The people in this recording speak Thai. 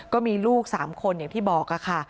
ก็มีลูก๓คนอย่างที่บอกค่ะ